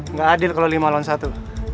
nggak adil kalau lima lawan satu